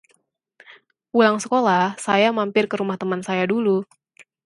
Pulang sekolah saya mampir ke rumah teman saya dulu.